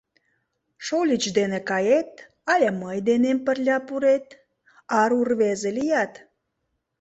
Шольыч дене кает але мый денем пырля пурет, ару рвезе лият?